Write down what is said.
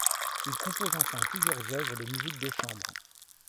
Il compose enfin plusieurs œuvres de musique de chambre.